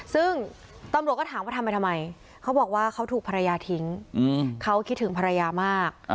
ซึ่งตำรวจก็ถามว่าทำไปทำไมเขาบอกว่าเขาถูกภรรยาทิ้งเขาคิดถึงภรรยามาก